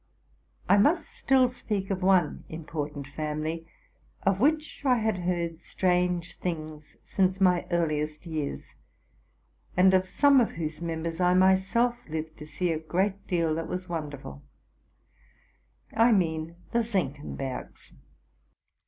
I must still speak of one important family, of which I had heard strange things since my earliest years, and of some of whose members I myself lived to see a great deal that was wonderful,—I mean the Senkenbergs.